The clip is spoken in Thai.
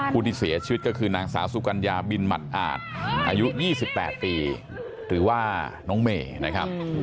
ที่เสียชีวิตก็คือนางสาวสุกัญญาบินหมัดอาจอายุ๒๘ปีหรือว่าน้องเมย์นะครับ